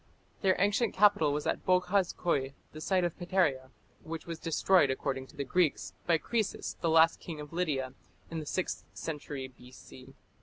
Their ancient capital was at Boghaz Köi, the site of Pteria, which was destroyed, according to the Greeks, by Croesus, the last King of Lydia, in the sixth century B.C.